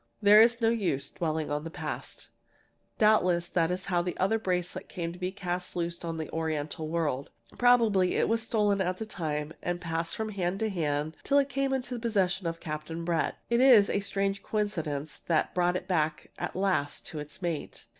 There is no use dwelling on the past. "Doubtless that is how the other bracelet came to be cast loose on the Oriental world. Probably it was stolen at the time, and passed from hand to hand till it came into the possession of Captain Brett. It is a strange coincidence that brought it back at last to its mate!